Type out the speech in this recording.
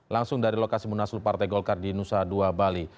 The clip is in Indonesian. langsung dari lokasi munaslu partai golkar di nusa dua bali